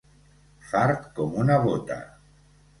Fart com una bota.